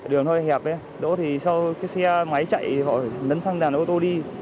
đường hơi hẹp đỗ thì xe máy chạy họ lấn sang đàn ô tô đi